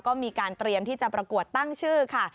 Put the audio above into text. ก็มีการเตรียมที่จะประกวดตั้งชื่อค่ะ